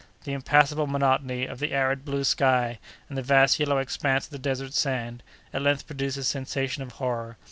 The impassible monotony of the arid blue sky, and the vast yellow expanse of the desert sand, at length produced a sensation of terror.